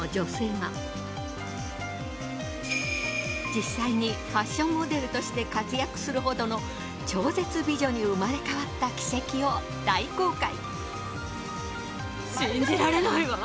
実際にファッションモデルとして活躍するほどの超絶美女に生まれ変わった奇跡を大公開。